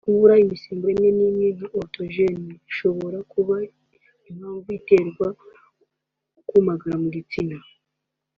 Kubura imisemburo imwe n’imwe nka Ositorojene (oestrogènes) bishobora kuba impamvu itera ukumagara mu gitsina